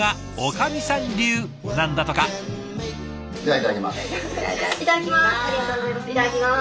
いただきます！